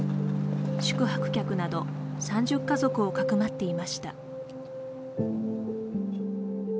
宿泊客など３０家族をかくまっていました。